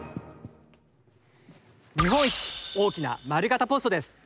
日本一大きな丸型ポストです。